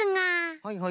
はいはい。